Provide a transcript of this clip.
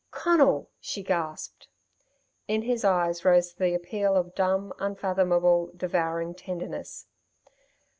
"Conal!" she gasped. In his eyes rose the appeal of dumb, unfathomable, devouring tenderness.